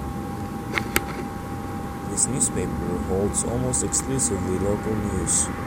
This newspaper holds almost exclusively local news.